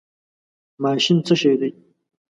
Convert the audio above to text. ماشین څه شی دی؟